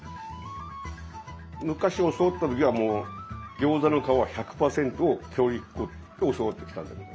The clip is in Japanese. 昔教わった時はもう餃子の皮は１００％強力粉って教わってきたんだけど。